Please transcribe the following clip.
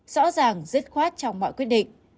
rõ ràng dứt khoát trong mọi quyết định